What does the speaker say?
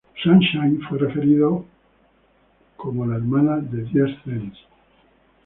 Sunshine Fue referido a como la hermana de Diez Cents.